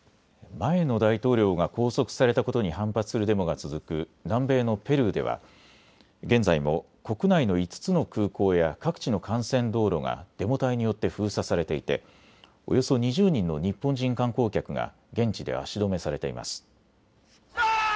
前の大統領が拘束されたことに反発するデモが続く南米のペルーでは現在も国内の５つの空港や各地の幹線道路がデモ隊によって封鎖されていておよそ２０人の日本人観光客が現地で足止めされています。